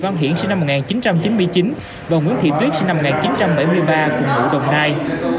nguyễn sinh năm một nghìn chín trăm chín mươi chín và nguyễn thị tuyết sinh năm một nghìn chín trăm bảy mươi ba cùng hữu đồng nai